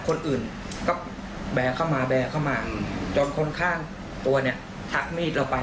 คนอื่นก็แบกเข้ามาแบกเข้ามาจนคนข้างตัวเนี่ยชักมีดเราไป